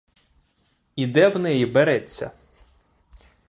І де в неї береться?